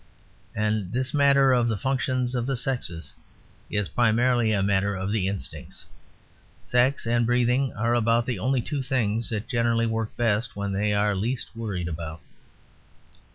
And this matter of the functions of the sexes is primarily a matter of the instincts; sex and breathing are about the only two things that generally work best when they are least worried about.